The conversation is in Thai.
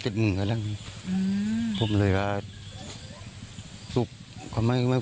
จะทำรุนแรงกับลูกเราก่อนหน้านี้ไหม